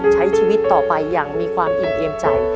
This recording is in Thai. ใช้ชีวิตต่อไปอย่างมีความอิ่มเอียมใจ